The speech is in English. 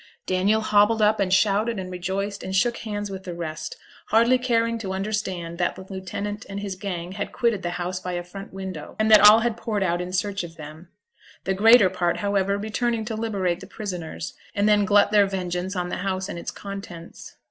Daniel hobbled up, and shouted, and rejoiced, and shook hands with the rest, hardly caring to understand that the lieutenant and his gang had quitted the house by a front window, and that all had poured out in search of them; the greater part, however, returning to liberate the prisoners, and then glut their vengeance on the house and its contents.